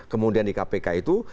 kemudian di kpk itu